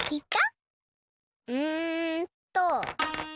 うんと。